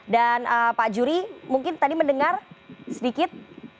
pak juri mungkin tadi mendengar sedikit